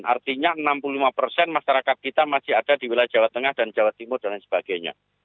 artinya enam puluh lima persen masyarakat kita masih ada di wilayah jawa tengah dan jawa timur dan lain sebagainya